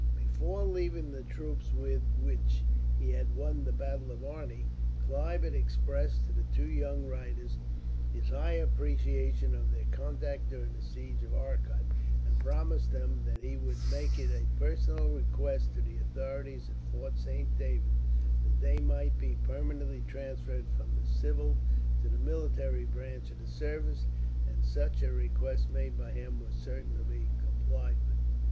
Before leaving the troops with which he had won the battle of Arni, Clive had expressed, to the two young writers, his high appreciation of their conduct during the siege of Arcot; and promised them that he would make it a personal request, to the authorities at Fort Saint David, that they might be permanently transferred from the civil to the military branch of the service; and such a request, made by him, was certain to be complied with.